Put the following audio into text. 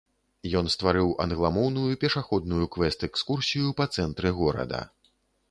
Ён стварыў англамоўную пешаходную квэст-экскурсію па цэнтры горада.